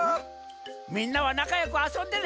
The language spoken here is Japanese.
みんなはなかよくあそんでね。